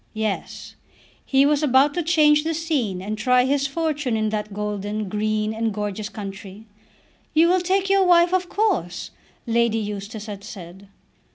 Yes, he was about to change the scene and try his fortune in that golden, green, and gorgeous country. "You will take your wife of course," Lady Eustace had said.